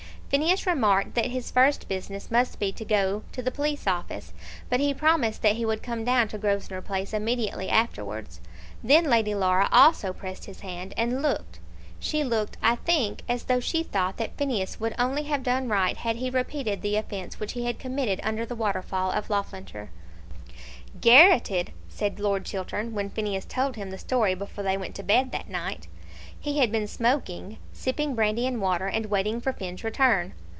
Phineas remarked that his first business must be to go to the police office, but he promised that he would come down to Grosvenor Place immediately afterwards. Then Lady Laura also pressed his hand, and looked ; she looked, I think, as though she thought that Phineas would only have done right had he repeated the offence which he had committed under the waterfall of Loughlinter. "Garrotted!" said Lord Chiltern, when Phineas told him the story before they went to bed that night. He had been smoking, sipping brandy and water, and waiting for Finn's return.